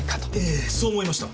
ええそう思いました。